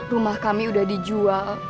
rumah kami udah dijual